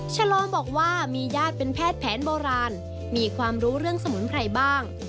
ชะลอบอกว่ามีญาติเป็นแพทย์แผนโบราณมีความรู้เรื่องสมุนไพรบ้าง